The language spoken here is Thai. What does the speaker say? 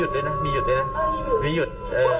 หลังแล้วก็มีหยุดด้วยนะมีหยุด